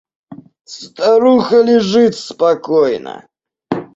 Старуха лежит спокойно.